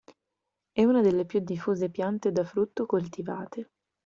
È una delle più diffuse piante da frutto coltivate.